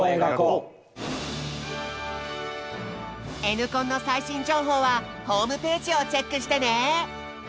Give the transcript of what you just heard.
「Ｎコン」の最新情報はホームページをチェックしてね！